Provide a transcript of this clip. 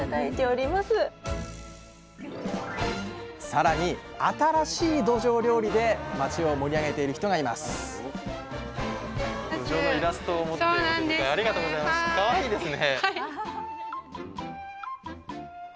さらに新しいどじょう料理で町を盛り上げている人がいますありがとうございます。